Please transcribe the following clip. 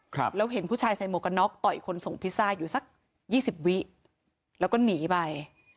ครับแล้วเห็นผู้ชายใส่หมวกกันน็อกต่อยคนส่งพิซซ่าอยู่สักยี่สิบวิแล้วก็หนีไป